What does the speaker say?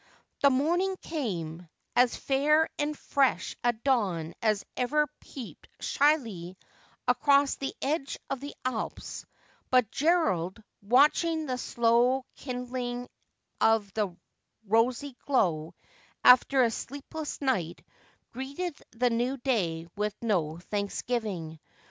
The morning came, as fair and fresh a dawn as ever peeped shyly across the edge of the Alps, but Gerald, watching the slow kindling of that rosy glow after a sleepless night, greeted the new day with no thanksgiving.